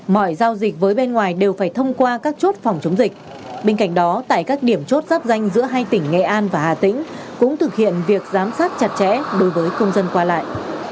mọi giao dịch với bên ngoài đều phải thông qua các chốt phòng chống dịch bên cạnh đó tại các điểm chốt giáp danh giữa hai tỉnh nghệ an và hà tĩnh cũng thực hiện việc giám sát chặt chẽ đối với công dân qua lại